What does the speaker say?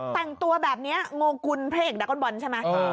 แต่งตัวแบบเนี้ยโงคุนพระเอกดักคอนบอลใช่ไหมเออ